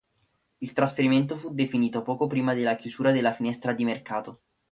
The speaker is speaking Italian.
Il trasferimento fu definito poco prima della chiusura della finestra di mercato.